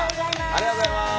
ありがとうございます。